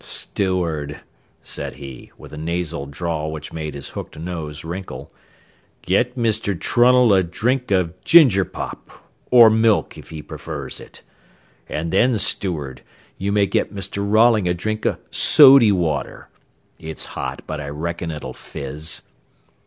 "Steward," said he, with a nasal drawl which made his hooked nose wrinkle, "get Mr. Trunnell a drink o' ginger pop, or milk, if he prefers it, and then, steward, you may get Mr. Rolling a drink o' sody water. It's hot, but I reckon it'll fizz."